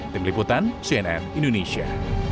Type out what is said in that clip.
tim liputan cnn indonesia